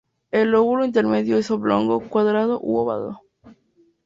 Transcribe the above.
El lóbulo intermedio es oblongo, cuadrado, u ovado.